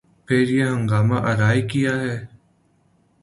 پھر یہ ہنگامہ آرائی کیا ہے؟